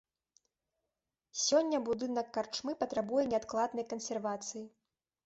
Сёння будынак карчмы патрабуе неадкладнай кансервацыі.